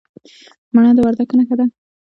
مڼه د وردګو نښه ده.